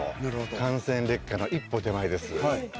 汗腺劣化の一歩手前です。